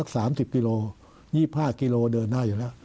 สามสิบกิโล๒๕กิโลเดินได้อยู่แล้ว